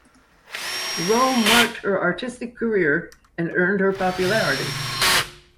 The role marked her artistic career and earned her popularity.